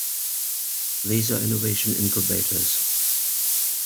These are innovation incubators.